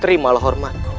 terima lah hormatku